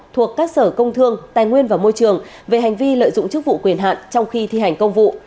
thuộc các sở công thương tài nguyên và môi trường về hành vi lợi dụng chức vụ quyền hạn trong khi thi hành công vụ